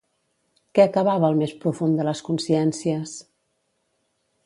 Què acabava al més profund de les consciències?